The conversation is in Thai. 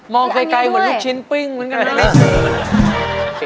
มองไกลเหมือนลูกชิ้นปิ้งเหมือนกัน